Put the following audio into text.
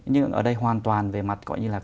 nhưng ở đây hoàn toàn về mặt gọi như là